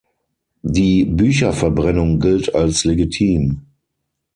Die Bücherverbrennung gilt als legitim.